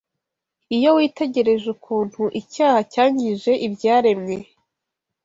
Iyo witegereje ukuntu icyaha cyangije ibyaremwe